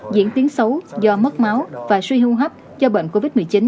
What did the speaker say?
diễn tiến xấu do mất máu và suy hưu hấp do bệnh covid một mươi chín